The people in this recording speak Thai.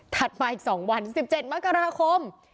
มาอีก๒วัน๑๗มกราคม